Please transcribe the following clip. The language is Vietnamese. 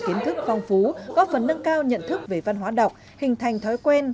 kiến thức phong phú góp phần nâng cao nhận thức về văn hóa đọc hình thành thói quen